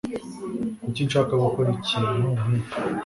kuki nshaka gukora ikintu nkicyo